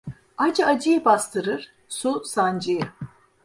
Acı acıyı bastırır, su sancıyı.